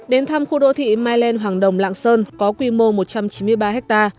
đến thăm khu đô thị mai lên hoàng đồng lạng sơn có quy mô một trăm chín mươi ba ha